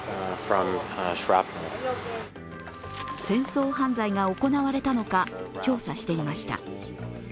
戦争犯罪が行われたのか調査していました。